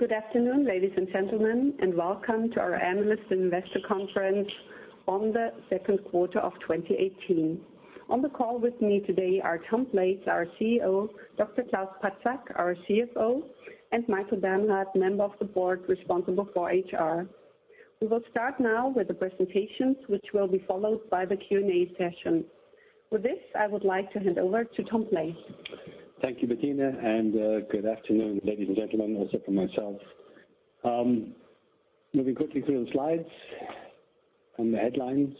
Good afternoon, ladies and gentlemen, and welcome to our Analyst Investor Conference on the second quarter of 2018. On the call with me today are Tom Blades, our CEO, Dr. Klaus Patzak, our CFO, and Michael Bernhardt, member of the board responsible for HR. We will start now with the presentations, which will be followed by the Q&A session. With this, I would like to hand over to Tom Blades. Thank you, Bettina, good afternoon, ladies and gentlemen, also from myself. Moving quickly through the slides and the headlines.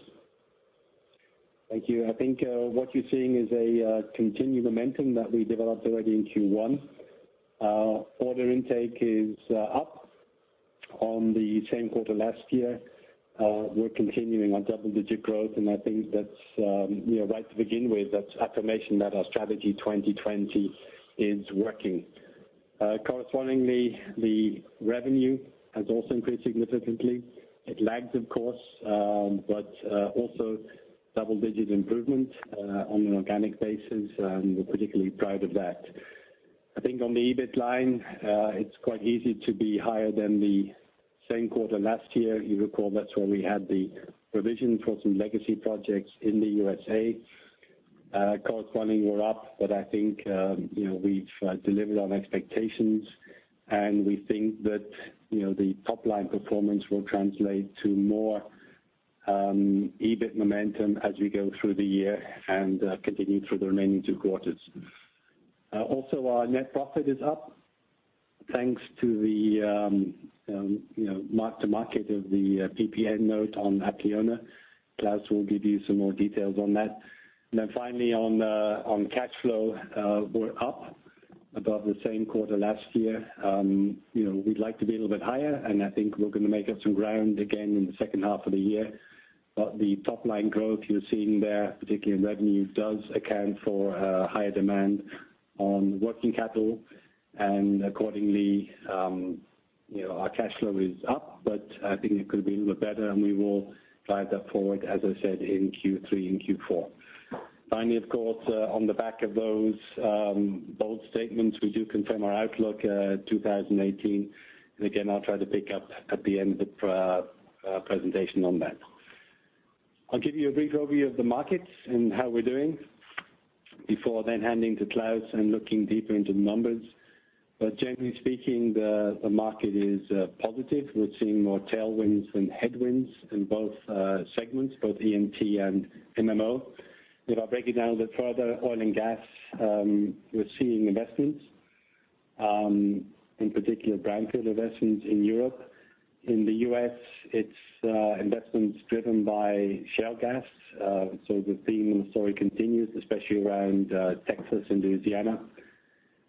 Thank you. I think what you're seeing is a continued momentum that we developed already in Q1. Order intake is up on the same quarter last year. We're continuing on double-digit growth, I think that's right to begin with, that's affirmation that our Strategy 2020 is working. Correspondingly, the revenue has also increased significantly. It lags, of course, but also double-digit improvement on an organic basis, we're particularly proud of that. I think on the EBIT line, it's quite easy to be higher than the same quarter last year. You recall that's where we had the provision for some legacy projects in the U.S.A. Corresponding, we're up, I think we've delivered on expectations, we think that the top-line performance will translate to more EBIT momentum as we go through the year and continue through the remaining two quarters. Also, our net profit is up thanks to the mark-to-market of the PPA note on Apleona. Klaus will give you some more details on that. Finally, on cash flow, we're up above the same quarter last year. We'd like to be a little bit higher, I think we're going to make up some ground again in the second half of the year. The top-line growth you're seeing there, particularly in revenue, does account for higher demand on working capital, accordingly, our cash flow is up, I think it could be a little bit better, we will drive that forward, as I said, in Q3 and Q4. Finally, of course, on the back of those bold statements, we do confirm our outlook 2018. Again, I'll try to pick up at the end of the presentation on that. I'll give you a brief overview of the markets and how we're doing before then handing to Klaus and looking deeper into the numbers. Generally speaking, the market is positive. We're seeing more tailwinds than headwinds in both segments, both E&T and MMO. If I break it down a bit further, oil and gas, we're seeing investments. In particular, brownfield investments in Europe. In the U.S., it's investments driven by shale gas. The theme story continues, especially around Texas and Louisiana.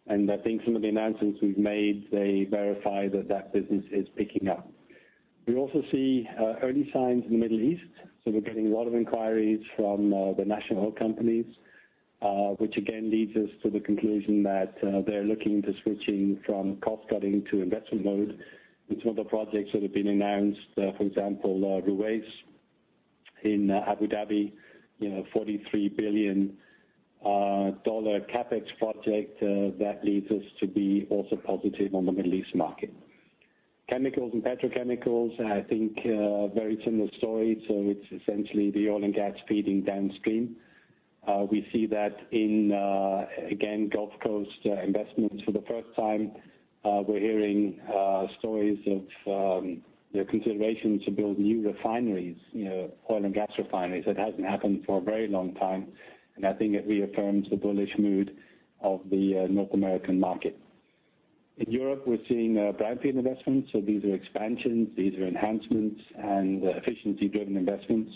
I think some of the announcements we've made, they verify that that business is picking up. We also see early signs in the Middle East. We're getting a lot of inquiries from the national oil companies, which again leads us to the conclusion that they're looking to switching from cost cutting to investment mode. Some of the projects that have been announced, for example, Ruwais in Abu Dhabi, a EUR 43 billion CapEx project, that leads us to be also positive on the Middle East market. Chemicals and petrochemicals, I think a very similar story. It's essentially the oil and gas feeding downstream. We see that in, again, Gulf Coast investments for the first time. We're hearing stories of the consideration to build new refineries, oil and gas refineries. That hasn't happened for a very long time, and I think it reaffirms the bullish mood of the North American market. In Europe, we're seeing brownfield investments. These are expansions, these are enhancements and efficiency-driven investments.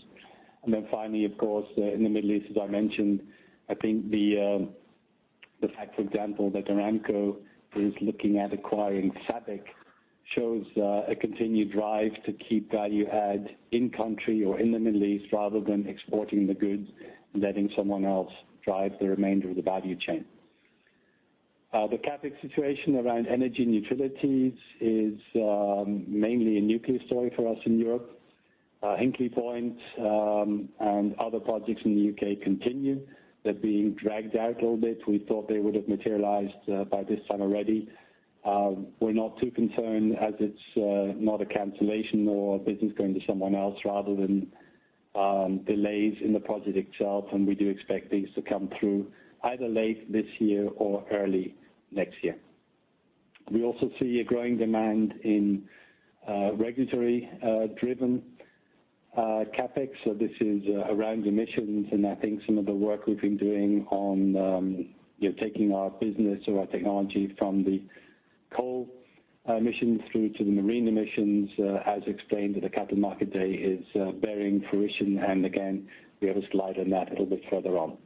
Finally, of course, in the Middle East, as I mentioned, I think the fact, for example, that Aramco is looking at acquiring SABIC shows a continued drive to keep value add in country or in the Middle East, rather than exporting the goods and letting someone else drive the remainder of the value chain. The CapEx situation around energy and utilities is mainly a nuclear story for us in Europe. Hinkley Point and other projects in the U.K. continue. They're being dragged out a little bit. We thought they would have materialized by this time already. We're not too concerned as it's not a cancellation or business going to someone else rather than delays in the project itself, and we do expect these to come through either late this year or early next year. We also see a growing demand in regulatory-driven CapEx. This is around emissions, and I think some of the work we've been doing on taking our business or our technology from the coal emissions through to the marine emissions, as explained at the Capital Markets Day, is bearing fruition, and again, we have a slide on that a little bit further on.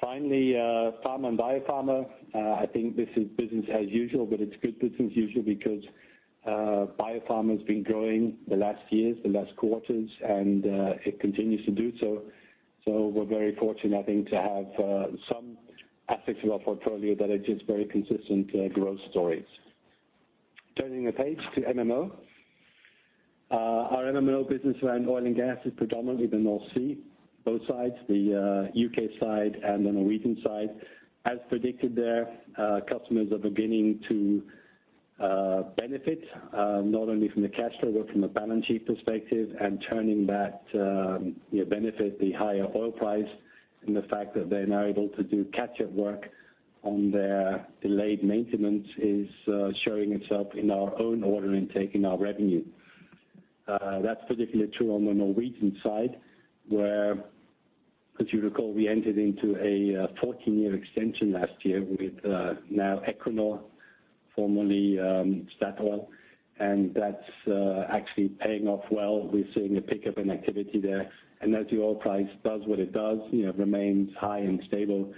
Finally, pharma and biopharma. I think this is business as usual, but it's good business usual because biopharma has been growing the last years, the last quarters, and it continues to do so. We're very fortunate, I think, to have some aspects of our portfolio that are just very consistent growth stories. Turning the page to MMO. Our MMO business around oil and gas is predominantly the North Sea, both sides, the U.K. side and the Norwegian side. As predicted there, customers are beginning to benefit, not only from the cash flow, but from a balance sheet perspective and turning that benefit, the higher oil price, and the fact that they're now able to do catch-up work on their delayed maintenance is showing itself in our own order intake and our revenue. That's particularly true on the Norwegian side, where, as you recall, we entered into a 14-year extension last year with now Equinor, formerly Statoil, and that's actually paying off well. We're seeing a pickup in activity there. As the oil price does what it does, remains high and stable,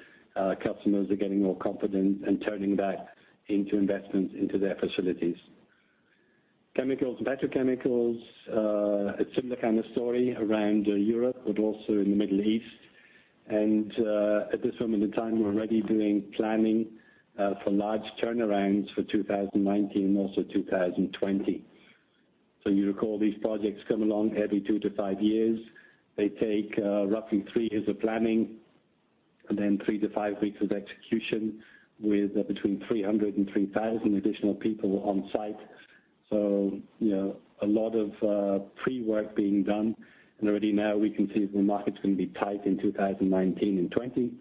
customers are getting more confident and turning that into investments into their facilities. Chemicals and petrochemicals, a similar kind of story around Europe, but also in the Middle East. At this moment in time, we're already doing planning for large turnarounds for 2019 and also 2020. You recall, these projects come along every two to five years. They take roughly three years of planning, and then three to five weeks of execution with between 300 and 3,000 additional people on site. A lot of pre-work being done, and already now we can see that the market's going to be tight in 2019 and 2020,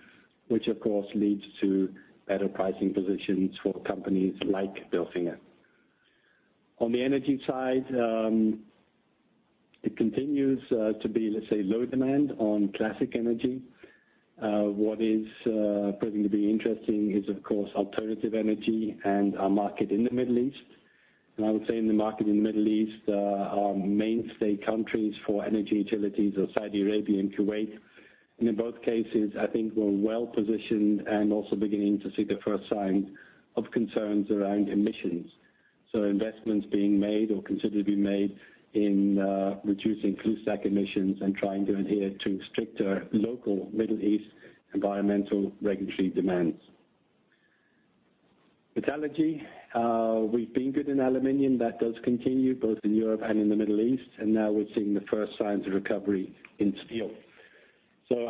which of course, leads to better pricing positions for companies like Bilfinger. On the energy side, it continues to be, let's say, low demand on classic energy. What is proving to be interesting is, of course, alternative energy and our market in the Middle East. I would say in the market in the Middle East, our mainstay countries for energy utilities are Saudi Arabia and Kuwait. In both cases, I think we're well positioned and also beginning to see the first signs of concerns around emissions. Investments being made or considered to be made in reducing flue stack emissions and trying to adhere to stricter local Middle East environmental regulatory demands. Metallurgy. We've been good in aluminum. That does continue both in Europe and in the Middle East, and now we're seeing the first signs of recovery in steel.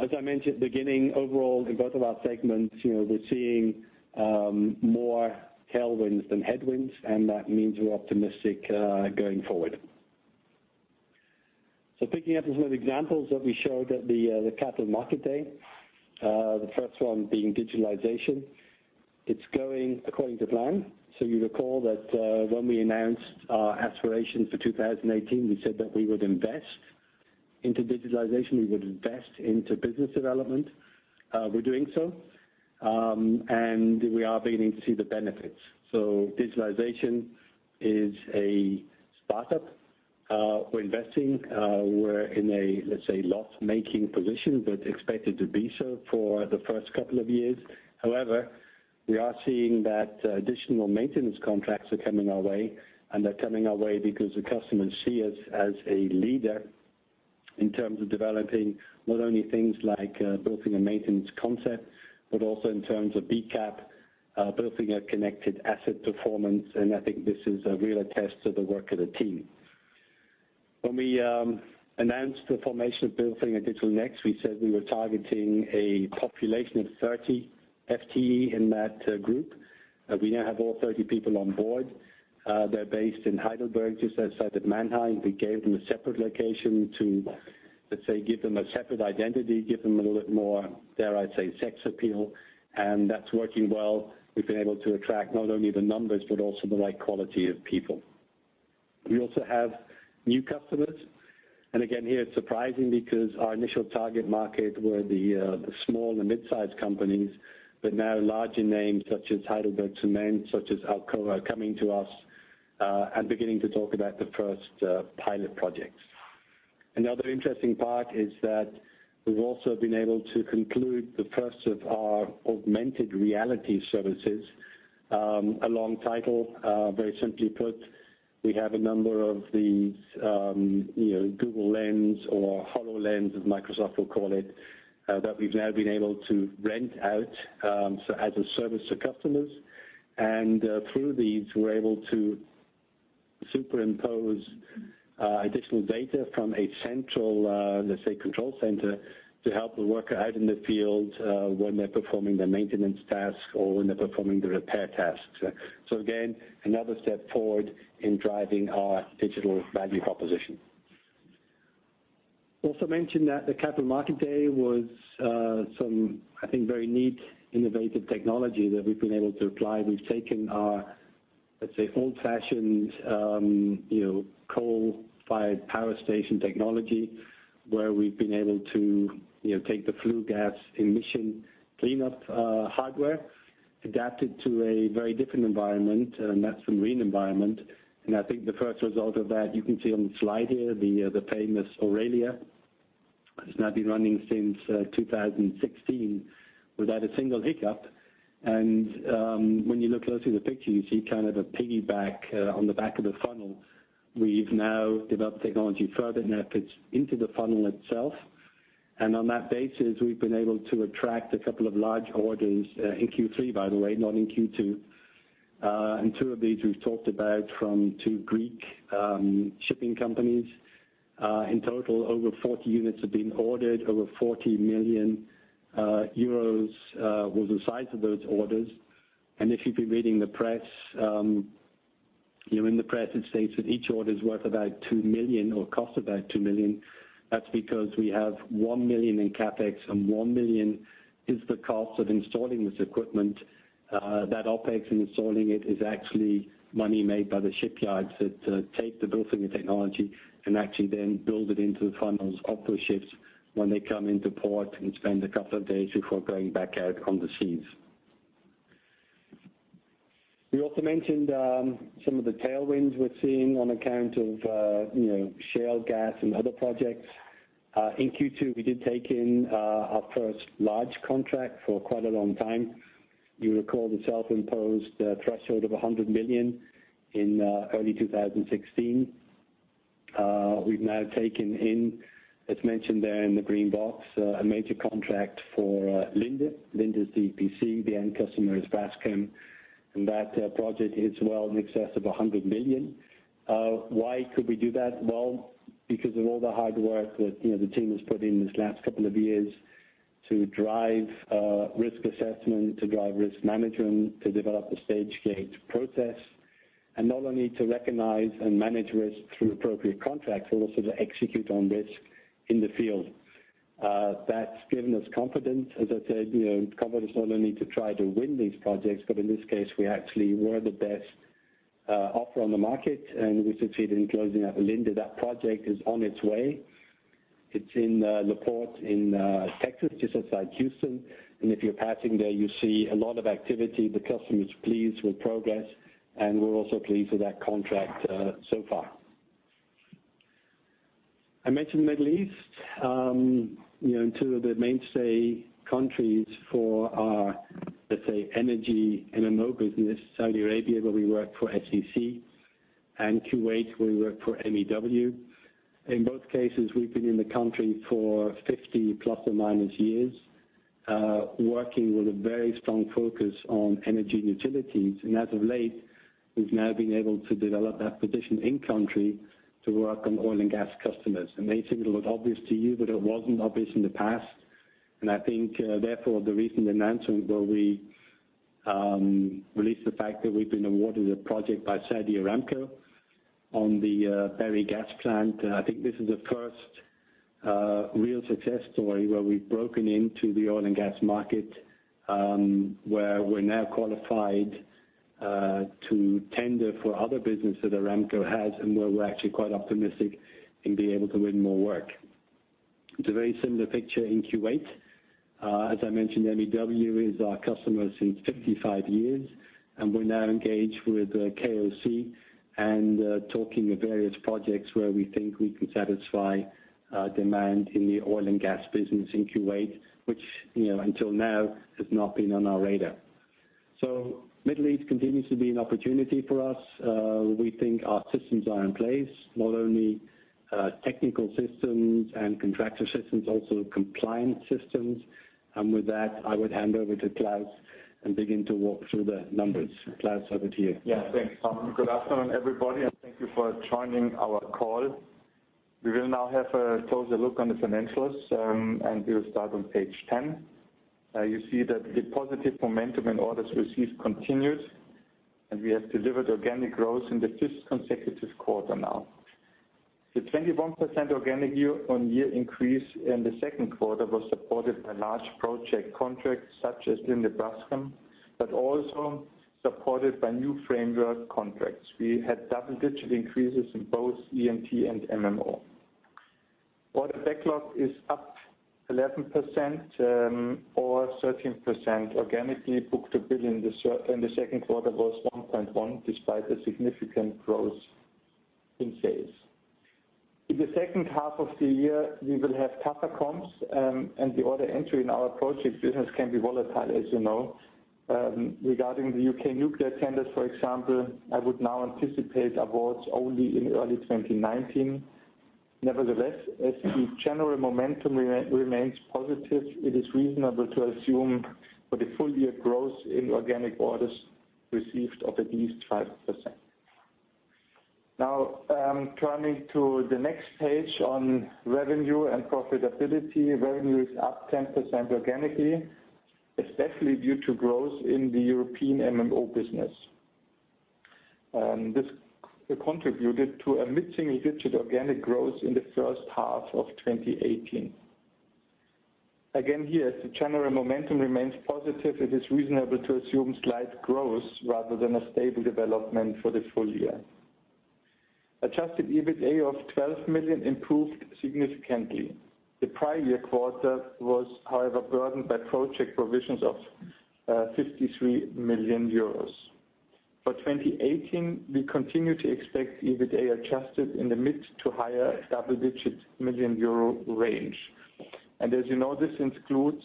As I mentioned at the beginning, overall, in both of our segments, we're seeing more tailwinds than headwinds, and that means we're optimistic going forward. Picking up on some of the examples that we showed at the Capital Markets Day, the first one being digitalization. It's going according to plan. You recall that when we announced our aspirations for 2018, we said that we would invest into digitalization, we would invest into business development. We're doing so. We are beginning to see the benefits. Digitalization is a startup. We're investing. We're in a, let's say, loss-making position, but expected to be so for the first couple of years. However, we are seeing that additional maintenance contracts are coming our way, and they're coming our way because the customers see us as a leader in terms of developing not only things like Bilfinger Maintenance Concept, but also in terms of BCAP, Bilfinger Connected Asset Performance, and I think this is a real attest to the work of the team. When we announced the formation of Bilfinger Digital Next, we said we were targeting a population of 30 FTE in that group. We now have all 30 people on board. They're based in Heidelberg, just outside of Mannheim. We gave them a separate location to, let's say, give them a separate identity, give them a little bit more, dare I say, sex appeal, and that's working well. We've been able to attract not only the numbers, but also the right quality of people. We also have new customers, and again, here it's surprising because our initial target market were the small and mid-size companies, but now larger names such as HeidelbergCement, such as Alcoa, are coming to us, and beginning to talk about the first pilot projects. Another interesting part is that we've also been able to conclude the first of our augmented reality services, a long title. Very simply put, we have a number of these Google Lens or HoloLens, as Microsoft will call it, that we've now been able to rent out as a service to customers. Through these, we're able to superimpose additional data from a central control center to help the worker out in the field, when they're performing their maintenance tasks or when they're performing the repair tasks. Again, another step forward in driving our digital value proposition. Also mentioned at the Capital Markets Day was some, I think, very neat, innovative technology that we've been able to apply. We've taken our, let's say, old-fashioned coal-fired power station technology, where we've been able to take the flue gas emission cleanup hardware, adapt it to a very different environment, and that's the marine environment. I think the first result of that you can see on the slide here, the famous Aurelia. It's now been running since 2016 without a single hiccup. When you look closely at the picture, you see kind of a piggyback on the back of the funnel. We've now developed technology further, and now it fits into the funnel itself. On that basis, we've been able to attract a couple of large orders in Q3, by the way, not in Q2. Two of these we've talked about from two Greek shipping companies. In total, over 40 units have been ordered, over 40 million euros was the size of those orders. If you've been reading the press, it states that each order is worth about 2 million or cost about 2 million. That's because we have 1 million in CapEx and 1 million is the cost of installing this equipment. That OpEx in installing it is actually money made by the shipyards that take the Bilfinger technology and actually then build it into the funnels of those ships when they come into port and spend a couple of days before going back out on the seas. We also mentioned some of the tailwinds we're seeing on account of shale gas and other projects. In Q2, we did take in our first large contract for quite a long time. You recall the self-imposed threshold of 100 million in early 2016. We've now taken in, as mentioned there in the green box, a major contract for Linde. Linde is the EPC, the end customer is Braskem, and that project is well in excess of 100 million. Why could we do that? Because of all the hard work that the team has put in these last couple of years to drive risk assessment, to drive risk management, to develop the stage gate process. Not only to recognize and manage risk through appropriate contracts, but also to execute on risk in the field. That's given us confidence, as I said, confidence not only to try to win these projects, but in this case, we actually were the best offer on the market, and we succeeded in closing that with Linde. That project is on its way. It's in the port in Texas, just outside Houston. If you're passing there, you see a lot of activity. The customer is pleased with progress, and we're also pleased with that contract so far. I mentioned the Middle East. Two of the mainstay countries for our, let's say, energy MMO business, Saudi Arabia, where we work for SEC, and Kuwait, where we work for MEW. In both cases, we've been in the country for 50 plus or minus years, working with a very strong focus on energy and utilities. As of late, we've now been able to develop that position in country to work on oil and gas customers. They think it look obvious to you, but it wasn't obvious in the past. I think, therefore, the recent announcement where we released the fact that we've been awarded a project by Saudi Aramco on the Berri Gas Plant, I think this is the first real success story where we've broken into the oil and gas market, where we're now qualified to tender for other business that Aramco has and where we're actually quite optimistic in being able to win more work. It's a very similar picture in Kuwait. As I mentioned, MEW is our customer since 55 years, and we're now engaged with KOC and talking of various projects where we think we can satisfy demand in the oil and gas business in Kuwait, which until now has not been on our radar. Middle East continues to be an opportunity for us. We think our systems are in place, not only technical systems and contractor systems, also compliance systems. With that, I would hand over to Klaus and begin to walk through the numbers. Klaus, over to you. Thanks, Tom. Good afternoon, everybody, thank you for joining our call. We will now have a closer look on the financials, we'll start on page 10. You see that the positive momentum in orders received continued, we have delivered organic growth in the fifth consecutive quarter now. The 21% organic year-on-year increase in the second quarter was supported by large project contracts such as Linde Braskem, also supported by new framework contracts. We had double-digit increases in both E&T and MMO. Order backlog is up 11% or 13% organically. Booked to bill in the second quarter was 1.1 despite a significant growth in sales. In the second half of the year, we will have tougher comps, the order entry in our project business can be volatile, as you know. Regarding the U.K. nuclear tenders, for example, I would now anticipate awards only in early 2019. Nevertheless, as the general momentum remains positive, it is reasonable to assume for the full year growth in organic orders received of at least 5%. Turning to the next page on revenue and profitability. Revenue is up 10% organically, especially due to growth in the European MMO business. This contributed to a mid-single digit organic growth in the first half of 2018. Again here, as the general momentum remains positive, it is reasonable to assume slight growth rather than a stable development for the full year. Adjusted EBITDA of 12 million improved significantly. The prior year quarter was, however, burdened by project provisions of 53 million euros. For 2018, we continue to expect EBITDA adjusted in the mid to higher double-digit million EUR range. As you know, this includes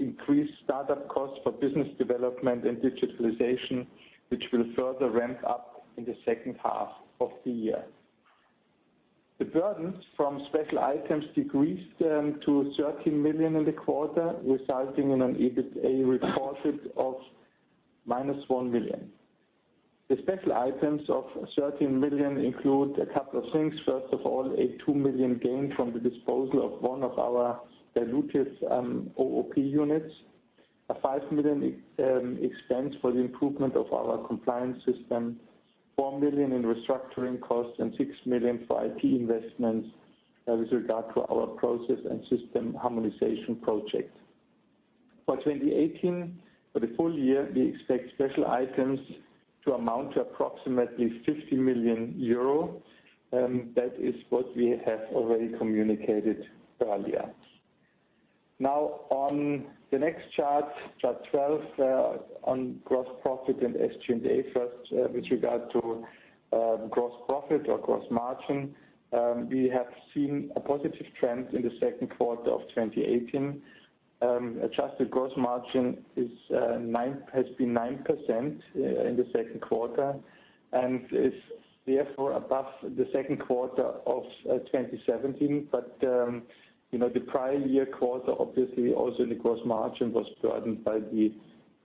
increased startup costs for business development and digitalization, which will further ramp up in the second half of the year. The burdens from special items decreased to 13 million in the quarter, resulting in an EBITDA reported of minus 1 million. The special items of 13 million include a couple of things. First of all, a 2 million gain from the disposal of one of our dilutive OOP units, a 5 million expense for the improvement of our compliance system, 4 million in restructuring costs and 6 million for IT investments with regard to our process and system harmonization project. For 2018, for the full year, we expect special items to amount to approximately 50 million euro. That is what we have already communicated earlier. On the next chart, Chart 12, on gross profit and SG&A. First, with regard to gross profit or gross margin, we have seen a positive trend in the second quarter of 2018. Adjusted gross margin has been 9% in the second quarter and is therefore above the second quarter of 2017. The prior year quarter, obviously also the gross margin was burdened by the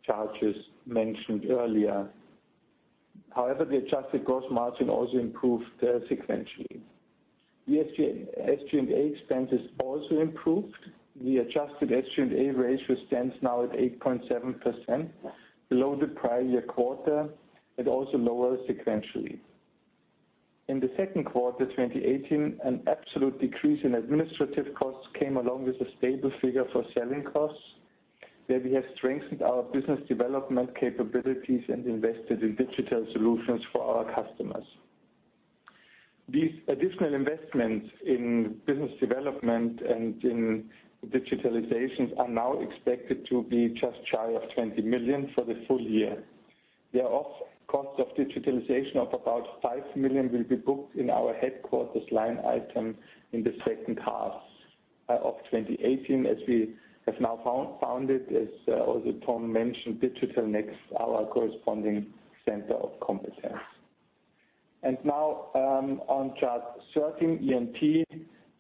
charges mentioned earlier. However, the adjusted gross margin also improved sequentially. The SG&A expenses also improved. The adjusted SG&A ratio stands now at 8.7%, below the prior year quarter, but also lower sequentially. In the second quarter 2018, an absolute decrease in administrative costs came along with a stable figure for selling costs, where we have strengthened our business development capabilities and invested in digital solutions for our customers. These additional investments in business development and in digitalizations are now expected to be just shy of 20 million for the full year. Thereof, cost of digitalization of about 5 million will be booked in our headquarters line item in the second half of 2018, as we have now founded, as also Tom mentioned, Bilfinger Digital Next, our corresponding center of competence. On Chart 13, E&T.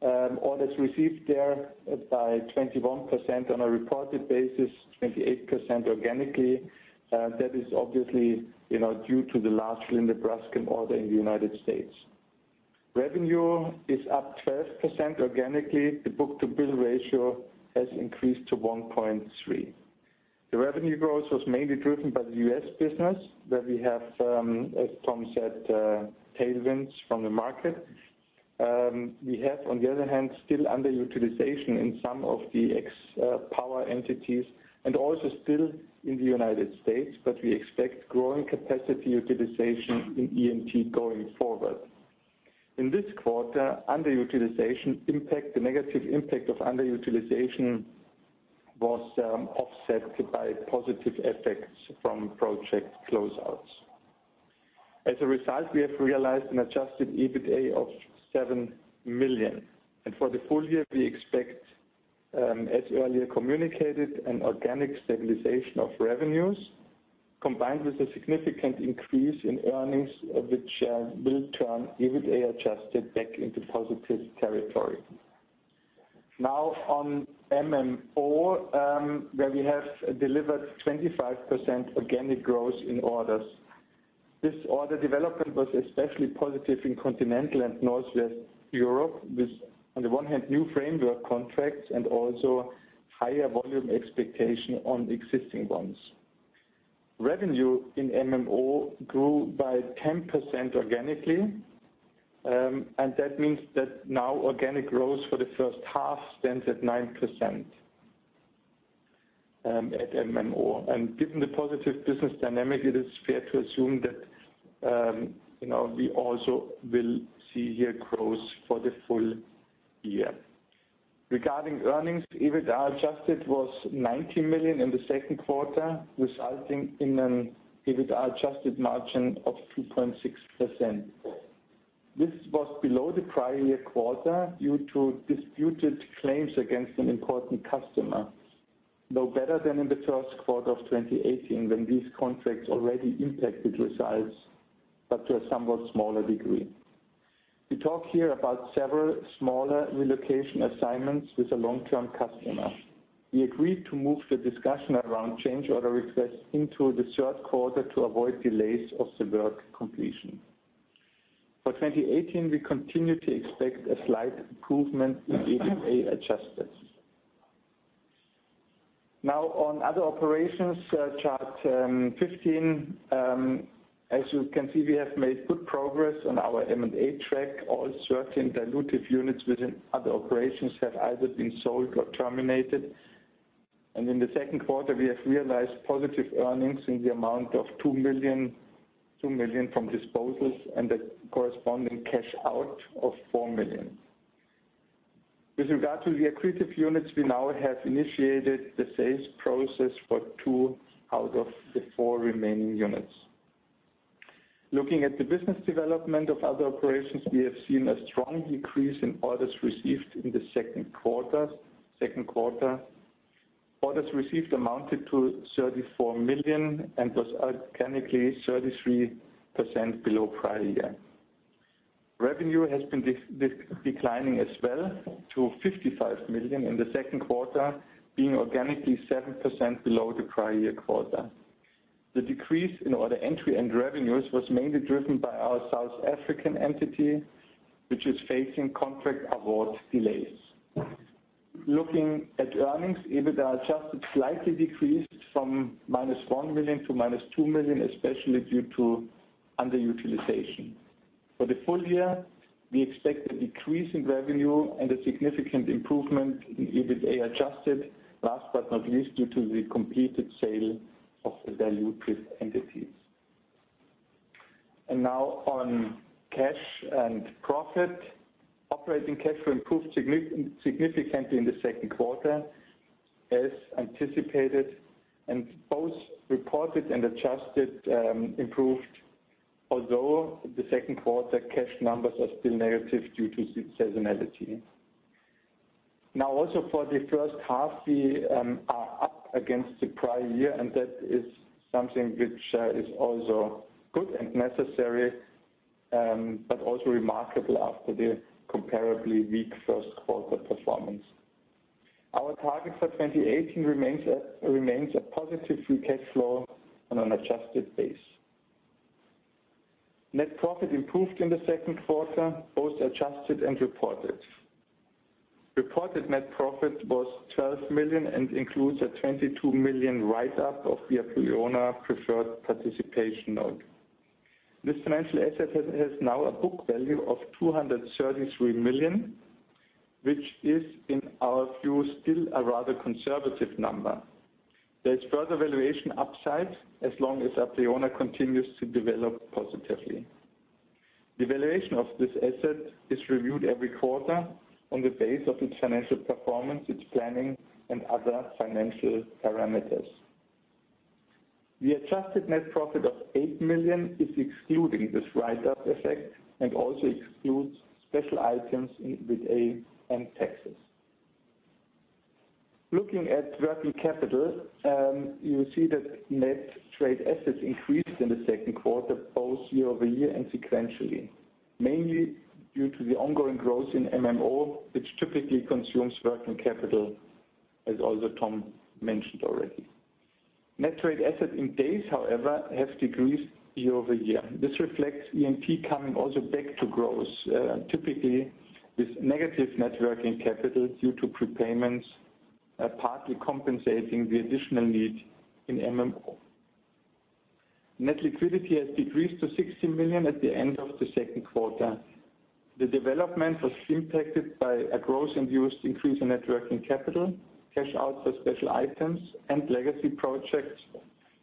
Orders received there by 21% on a reported basis, 28% organically. That is obviously due to the large Linde Braskem order in the U.S. Revenue is up 12% organically. The book-to-bill ratio has increased to 1.3. The revenue growth was mainly driven by the U.S. business, where we have, as Tom said, tailwinds from the market. We have, on the other hand, still underutilization in some of the ex power entities and also still in the U.S., but we expect growing capacity utilization in E&T going forward. In this quarter, the negative impact of underutilization was offset by positive effects from project closeouts. As a result, we have realized an adjusted EBITDA of 7 million. For the full year, we expect, as earlier communicated, an organic stabilization of revenues, combined with a significant increase in earnings, which will turn EBITDA adjusted back into positive territory. On MMO, where we have delivered 25% organic growth in orders. This order development was especially positive in Continental and Northwest Europe with, on the one hand, new framework contracts and also higher volume expectation on existing ones. Revenue in MMO grew by 10% organically, that means that now organic growth for the first half stands at 9% at MMO. Given the positive business dynamic, it is fair to assume that we also will see here growth for the full year. Regarding earnings, EBITDA adjusted was 19 million in the second quarter, resulting in an EBITDA adjusted margin of 2.6%. This was below the prior year quarter due to disputed claims against an important customer. Though better than in the first quarter of 2018, when these contracts already impacted results, but to a somewhat smaller degree. We talk here about several smaller relocation assignments with a long-term customer. We agreed to move the discussion around change order requests into the third quarter to avoid delays of the work completion. For 2018, we continue to expect a slight improvement in EBITDA adjusted. On other operations, Chart 15. As you can see, we have made good progress on our M&A track. All 13 dilutive units within other operations have either been sold or terminated. In the second quarter, we have realized positive earnings in the amount of 2 million from disposals and the corresponding cash out of 4 million. With regard to the accretive units, we now have initiated the sales process for two out of the four remaining units. Looking at the business development of other operations, we have seen a strong increase in orders received in the second quarter. Orders received amounted to 34 million and was organically 33% below prior year. Revenue has been declining as well to 55 million in the second quarter, being organically 7% below the prior year quarter. The decrease in order entry and revenues was mainly driven by our South African entity, which is facing contract award delays. Looking at earnings, EBITDA adjusted slightly decreased from minus 1 million to minus 2 million, especially due to underutilization. For the full year, we expect a decrease in revenue and a significant improvement in EBITDA adjusted, last but not least, due to the completed sale of the Valecrif entities. On cash and profit. Operating cash flow improved significantly in the second quarter as anticipated, and both reported and adjusted improved. Although the second quarter cash numbers are still negative due to seasonality. Also for the first half, we are up against the prior year, and that is something which is also good and necessary, but also remarkable after the comparably weak first quarter performance. Our target for 2018 remains a positive free cash flow on an adjusted base. Net profit improved in the second quarter, both adjusted and reported. Reported net profit was 12 million and includes a 22 million write-up of the Apleona preferred participation note. This financial asset has now a book value of 233 million, which is in our view, still a rather conservative number. There is further valuation upside as long as Apleona continues to develop positively. The valuation of this asset is reviewed every quarter on the base of its financial performance, its planning, and other financial parameters. The adjusted net profit of 8 million is excluding this write-up effect and also excludes special items, EBITDA, and taxes. Looking at working capital, you see that net trade assets increased in the second quarter, both year-over-year and sequentially, mainly due to the ongoing growth in MMO, which typically consumes working capital as also Tom mentioned already. Net trade assets in days, however, have decreased year-over-year. This reflects E&T coming also back to growth, typically with negative net working capital due to prepayments, partly compensating the additional need in MMO. Net liquidity has decreased to 60 million at the end of the second quarter. The development was impacted by a gross and used increase in net working capital, cash out for special items and legacy projects,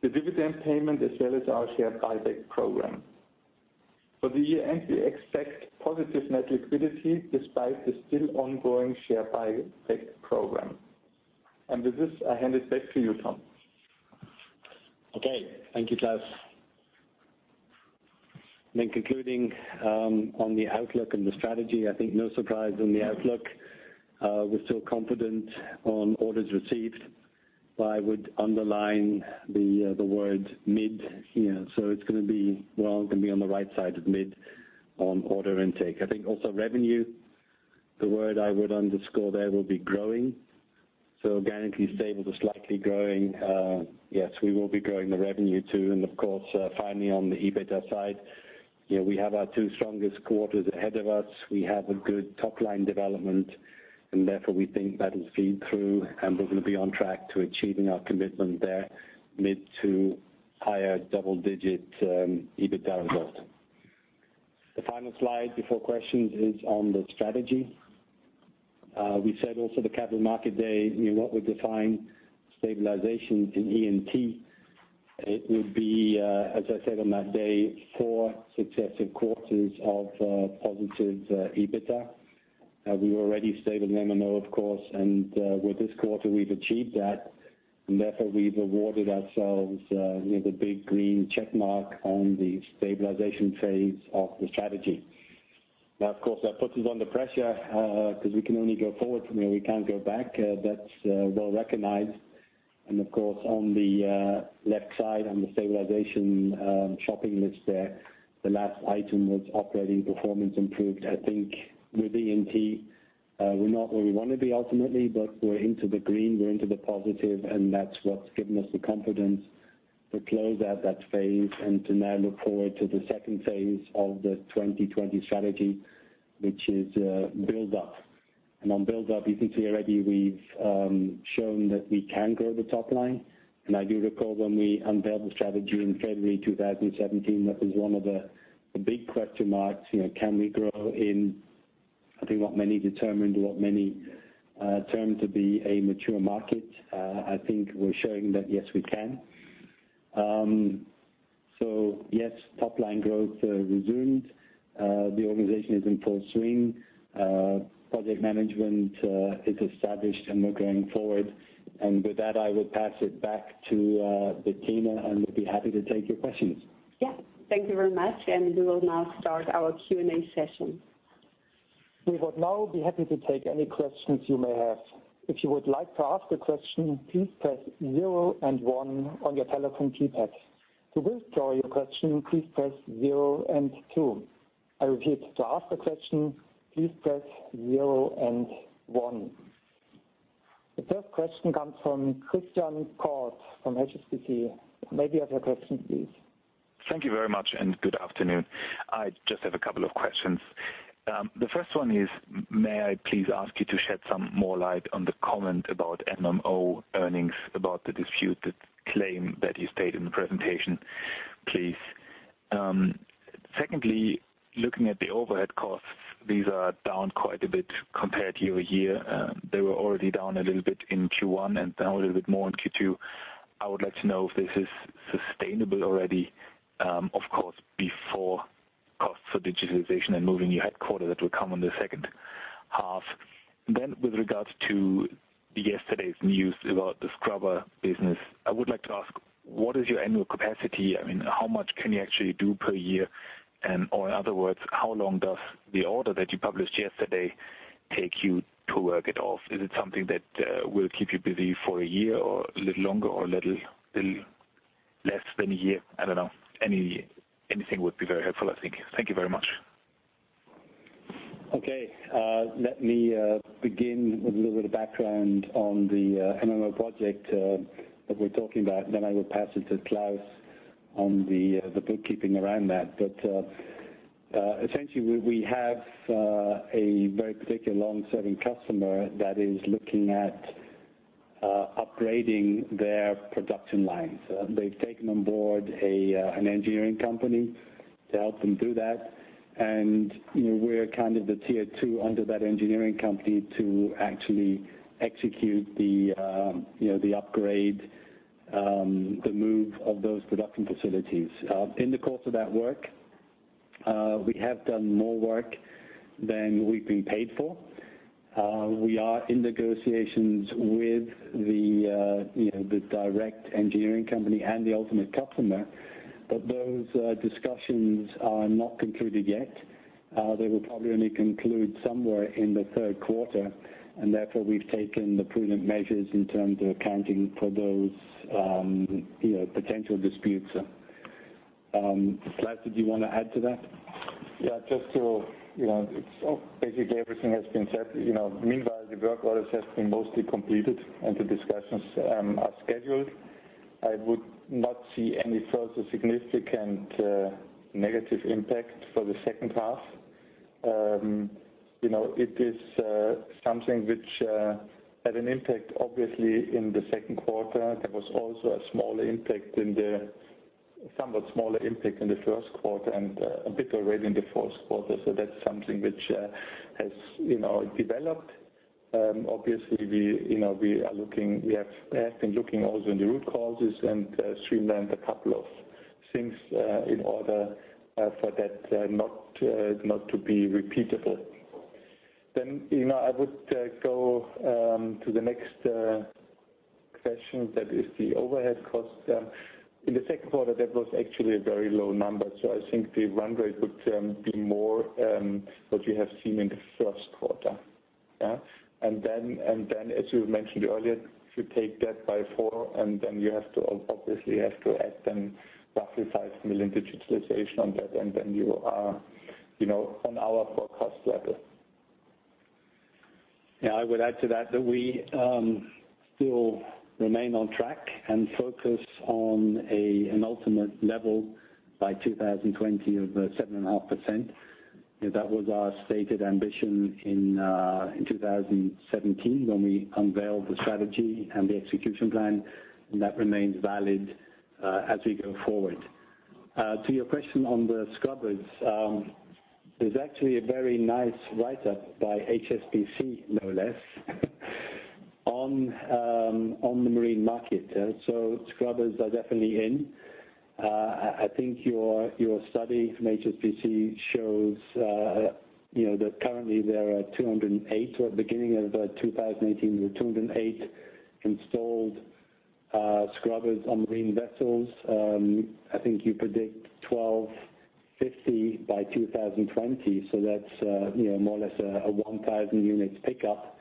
the dividend payment, as well as our share buyback program. For the year-end, we expect positive net liquidity despite the still ongoing share buyback program. With this, I hand it back to you, Tom. Okay. Thank you, Klaus. Concluding on the outlook and the strategy, I think no surprise on the outlook. We're still confident on orders received, but I would underline the word mid. It's going to be well, going to be on the right side of mid on order intake. I think also revenue, the word I would underscore there will be growing. Organically stable to slightly growing. Yes, we will be growing the revenue too. Of course, finally on the EBITDA side, we have our two strongest quarters ahead of us. We have a good top-line development; therefore, we think that will feed through and we're going to be on track to achieving our commitment there, mid to higher double-digit EBITDA result. The final slide before questions is on the strategy. We said also the Capital Markets Day, what would define stabilization in E&T? It would be, as I said on that day, four successive quarters of positive EBITDA. We were already stable in MMO, of course, and with this quarter we've achieved that, and therefore we've awarded ourselves the big green check mark on the stabilization phase of the strategy. Of course, that puts us under pressure, because we can only go forward from here. We can't go back. That's well recognized. Of course, on the left side, on the stabilization shopping list there, the last item was operating performance improved. I think with E&T, we're not where we want to be ultimately, but we're into the green, we're into the positive, and that's what's given us the confidence to close out that phase and to now look forward to the second phase of the Strategy 2020, which is build up. On build up, you can see already we've shown that we can grow the top line. I do recall when we unveiled the strategy in February 2017, that was one of the big question marks. Can we grow in, I think, what many determined, what many termed to be a mature market? I think we're showing that yes, we can. Yes, top line growth resumed. The organization is in full swing. Project management is established and we're going forward. With that, I will pass it back to Bettina, and we'll be happy to take your questions. Yes. Thank you very much. We will now start our Q&A session. We would now be happy to take any questions you may have. If you would like to ask a question, please press zero and one on your telephone keypad. To withdraw your question, please press zero and two. I repeat, to ask a question, please press zero and one. The first question comes from Christian Koch from HSBC. May I have your question, please? Thank you very much. Good afternoon. I just have a couple of questions. The first one is, may I please ask you to shed some more light on the comment about MMO earnings, about the disputed claim that you stated in the presentation, please? Secondly, looking at the overhead costs, these are down quite a bit compared to a year. They were already down a little bit in Q1 and down a little bit more in Q2. I would like to know if this is sustainable already, of course, before costs for digitalization and moving your headquarters that will come in the second half. With regards to yesterday's news about the scrubber business, I would like to ask, what is your annual capacity? How much can you actually do per year? Or in other words, how long does the order that you published yesterday take you to work it off? Is it something that will keep you busy for a year, or a little longer, or a little less than a year? I don't know. Anything would be very helpful, I think. Thank you very much. Okay. Let me begin with a little bit of background on the MMO project that we're talking about. I will pass it to Klaus on the bookkeeping around that. Essentially, we have a very particular long-serving customer that is looking at upgrading their production lines. They've taken on board an engineering company to help them do that. We're kind of the tier 2 under that engineering company to actually execute the upgrade, the move of those production facilities. In the course of that work, we have done more work than we've been paid for. We are in negotiations with the direct engineering company and the ultimate customer, those discussions are not concluded yet. They will probably only conclude somewhere in the third quarter, therefore we've taken the prudent measures in terms of accounting for those potential disputes. Klaus, did you want to add to that? Yeah. Basically, everything has been said. Meanwhile, the work orders have been mostly completed and the discussions are scheduled. I would not see any further significant negative impact for the second half. It is something which had an impact, obviously, in the second quarter. There was also a somewhat smaller impact in the first quarter and a bigger rate in the fourth quarter. That's something which has developed. Obviously, we have been looking also into root causes and streamlined a couple of things in order for that not to be repeatable. I would go to the next question. That is the overhead cost. In the second quarter, that was actually a very low number. I think the run rate would be more what you have seen in the first quarter. Yeah. As you mentioned earlier, if you take that by four and then you obviously have to add then roughly 5 million digitalization on that, and then you are on our forecast level. Yeah. I would add to that we still remain on track and focus on an ultimate level by 2020 of 7.5%. That was our stated ambition in 2017 when we unveiled the strategy and the execution plan, and that remains valid as we go forward. To your question on the scrubbers, there's actually a very nice write-up by HSBC, no less, on the marine market. Scrubbers are definitely in. I think your study from HSBC shows that currently there are 208, or at the beginning of 2018, there were 208 installed scrubbers on marine vessels. I think you predict 1,250 by 2020. That's more or less a 1,000 units pickup.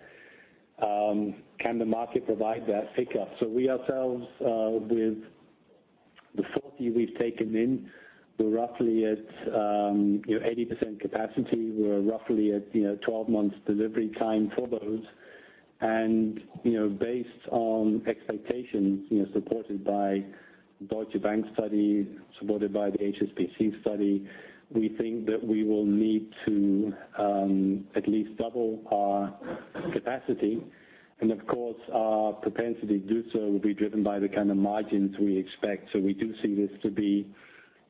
Can the market provide that pickup? We ourselves, with the 40 we've taken in, we're roughly at 80% capacity. We're roughly at 12 months delivery time for those. Based on expectations supported by Deutsche Bank study, supported by the HSBC study, we think that we will need to at least double our capacity. Of course, our propensity to do so will be driven by the kind of margins we expect. We do see this to be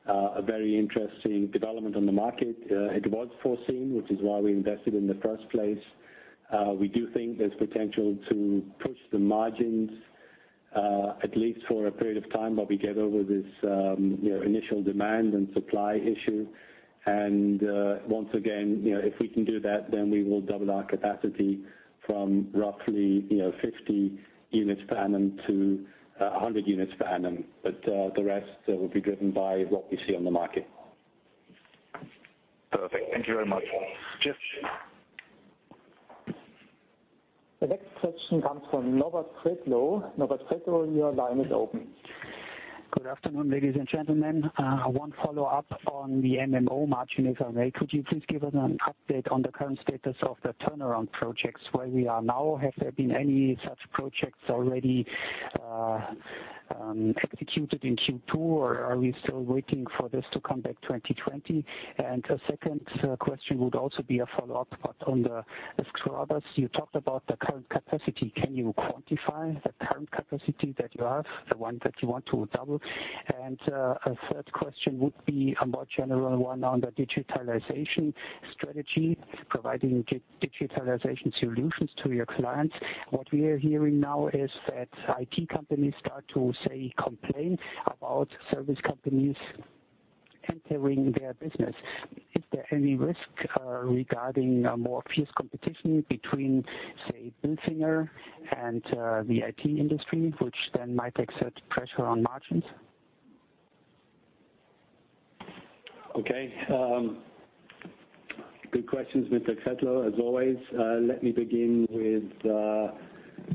a very interesting development on the market. It was foreseen, which is why we invested in the first place. We do think there's potential to push the margins, at least for a period of time while we get over this initial demand and supply issue. Once again, if we can do that, we will double our capacity from roughly 50 units per annum to 100 units per annum. The rest will be driven by what we see on the market. Perfect. Thank you very much. Jeff The next question comes from Norbert Kretlow. Norbert Kretlow, your line is open. Good afternoon, ladies and gentlemen. One follow-up on the MMO margin, if I may. Could you please give us an update on the current status of the turnaround projects, where we are now? Have there been any such projects already executed in Q2, or are we still waiting for this to come back 2020? A second question would also be a follow-up, on the scrubbers. You talked about the current capacity. Can you quantify the current capacity that you have, the one that you want to double? A third question would be a more general one on the digitalization strategy, providing digitalization solutions to your clients. What we are hearing now is that IT companies start to, say, complain about service companies entering their business. Is there any risk regarding a more fierce competition between, say, Bilfinger and the IT industry, which then might exert pressure on margins? Okay. Good questions, Mr. Kretlow, as always. Let me begin with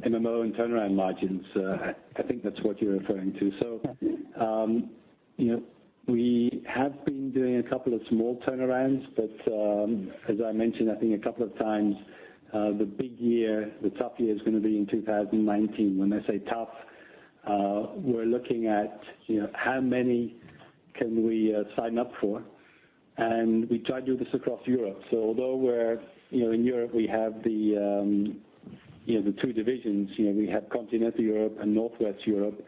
MMO and turnaround margins. I think that's what you're referring to. We have been doing a couple of small turnarounds, as I mentioned, I think a couple of times, the big year, the tough year is going to be in 2019. When I say tough, we're looking at how many can we sign up for. We try to do this across Europe. Although in Europe, we have the two divisions, we have Continental Europe and Northwest Europe.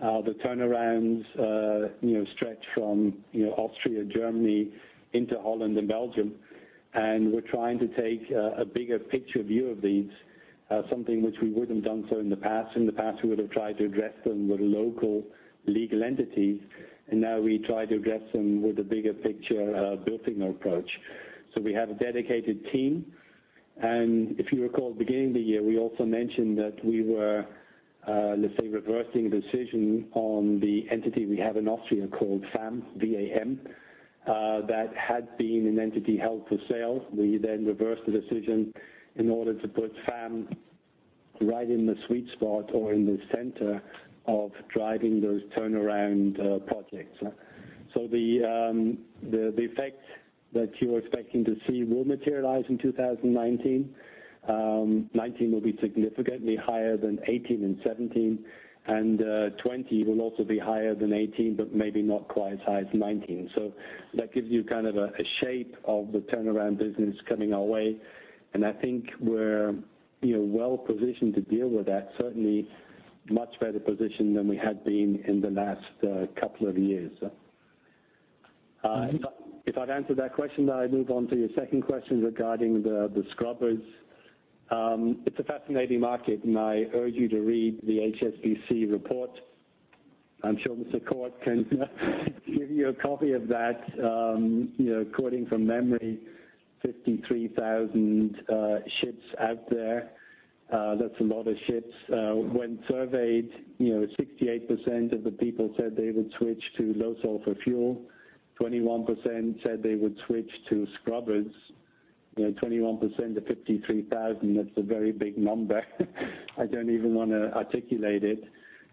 The turnarounds stretch from Austria, Germany into Holland and Belgium, we're trying to take a bigger picture view of these, something which we wouldn't have done so in the past. In the past, we would have tried to address them with local legal entities, now we try to address them with a bigger picture Bilfinger approach. We have a dedicated team, if you recall, beginning of the year, we also mentioned that we were, let's say, reversing the decision on the entity we have in Austria called VAM. V-A-M, that had been an entity held for sale. We reversed the decision in order to put VAM right in the sweet spot or in the center of driving those turnaround projects. The effect that you're expecting to see will materialize in 2019. 2019 will be significantly higher than 2018 and 2017, 2020 will also be higher than 2018, but maybe not quite as high as 2019. That gives you kind of a shape of the turnaround business coming our way, I think we're well positioned to deal with that. Certainly, much better positioned than we had been in the last couple of years. If I've answered that question, I move on to your second question regarding the scrubbers. It's a fascinating market, and I urge you to read the HSBC report. I'm sure Mr. Koch can give you a copy of that. Quoting from memory, 53,000 ships out there. That's a lot of ships. When surveyed, 68% of the people said they would switch to low sulfur fuel, 21% said they would switch to scrubbers. 21% of 53,000, that's a very big number. I don't even want to articulate it.